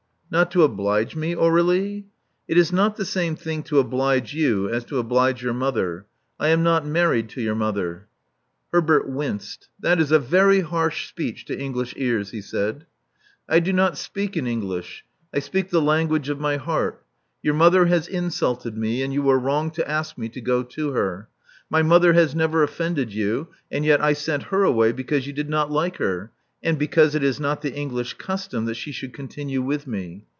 "Not to oblige me, Aur^lie?" "It is not ^the same thing to oblige you as to oblige your mother. I am not married to your mother." Love Among the Artists 327 Herbert winced. That is a very harsh speech to English ears,*' he said. I do not speak in English: I speak the language of my heart. Your mother has insulted me ; and you are wrong to ask me to go to her. My mother has never offended you; and yet I sent her away because you did not like her, and because it is not the English custom that she [should continue with me.